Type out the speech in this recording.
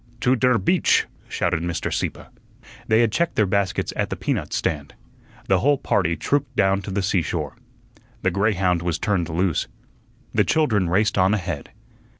"To der beach!" shouted Mr. Sieppe. They had checked their baskets at the peanut stand. The whole party trooped down to the seashore. The greyhound was turned loose. The children raced on ahead.